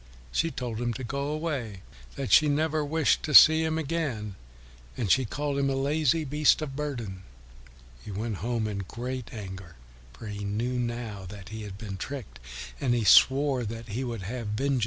She told him to go away, that she never wished to see him again, and she called him a lazy beast of burden. He went home in great anger, for he knew now that he had been tricked, and he swore that he would have vengeance on Rabbit.